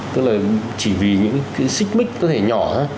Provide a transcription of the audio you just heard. tức là chỉ vì những cái xích mích có thể nhỏ thôi